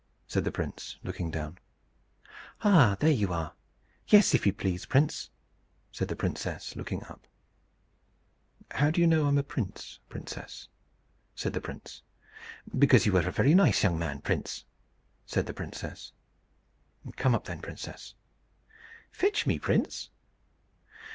said the prince, looking down. "Ah! there you are! Yes, if you please, prince," said the princess, looking up. "How do you know I am a prince, princess?" said the prince. "Because you are a very nice young man, prince," said the princess. "Come up then, princess." "Fetch me, prince."